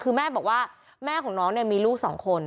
คือแม่บอกว่าแม่ของน้องเนี่ยมีลูกสองคน